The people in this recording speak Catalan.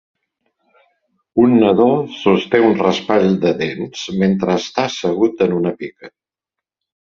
Un nadó sosté un raspall de dents mentre està assegut en una pica.